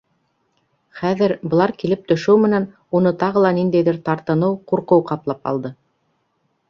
Хәҙер, былар килеп төшөү менән, уны тағы ла ниндәйҙер тартыныу, ҡурҡыу ҡаплап алды.